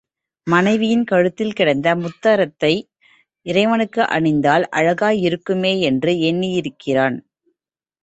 மனைவியின் கழுத்தில் கிடந்த முத்தாரத்தை இறைவனுக்கு அணிந்தால் அழகாயிருக்குமே என்று எண்ணியிருக்கிறான்.